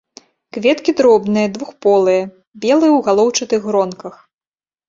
Кветкі дробныя, двухполыя, белыя, у галоўчатых гронках.